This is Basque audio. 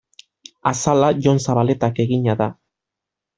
Azala Jon Zabaletak egina da.